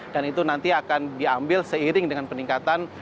dan itu nanti akan diambil seiring dengan peningkatan